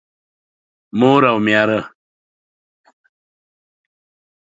مور او مېره